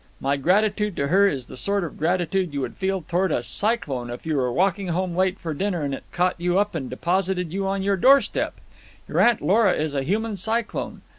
My gratitude to her is the sort of gratitude you would feel toward a cyclone if you were walking home late for dinner and it caught you up and deposited you on your doorstep. Your Aunt Lora is a human cyclone.